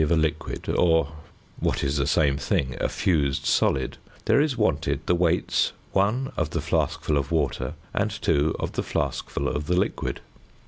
of a liquid_ (or, what is the same thing, a fused solid) there is wanted the weights (1) of the flaskful of water and (2) of the flaskful of the liquid.